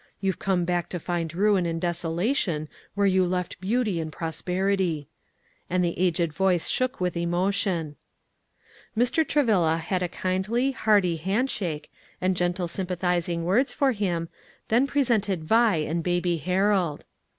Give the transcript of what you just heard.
You've come back to find ruin and desolation where you left beauty and prosperity;" and the aged voice shook with emotion. Mr. Travilla had a kindly, hearty hand shake, and gentle sympathizing words for him, then presented Vi and Baby Harold.